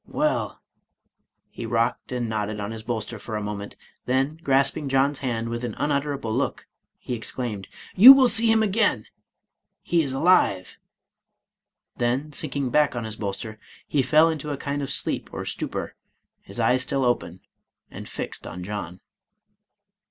" Well," — ^he rocked and nodded on his bolster for a moment, then, grasping John's hand with an unutter able look, he exclaimed, "You will see him iagain, he is alive." Then, sinking back on his bolster, he fell into a kind of sleep or stupor, his eyes still open, and fixed on John.